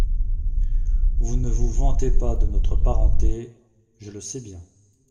Vous ne vous vantez pas de notre parenté, je le sais bien…